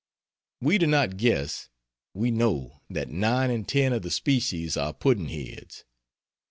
We do not guess, we know that 9 in 10 of the species are pudd'nheads.